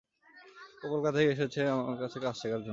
ও কলকাতা থেকে এসেছে আমার কাছে কাজ শেখার জন্য।